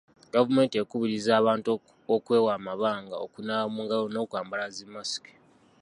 Gavumenti ekubirizza abantu okwewa amabanga, okunaaba mu ngalo n'okwambala zi masiki.